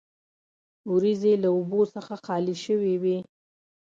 وریځې له اوبو څخه خالي شوې وې.